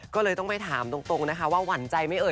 ก็เลยต้องไปถามตรงนะคะว่าหวั่นใจไหมเอ่